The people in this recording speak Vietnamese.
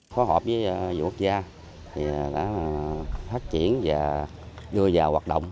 phó hợp với vườn quốc gia thì đã phát triển và đưa vào hoạt động